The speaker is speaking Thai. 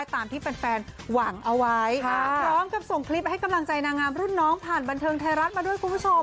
ตามที่แฟนหวังเอาไว้พร้อมกับส่งคลิปให้กำลังใจนางงามรุ่นน้องผ่านบันเทิงไทยรัฐมาด้วยคุณผู้ชม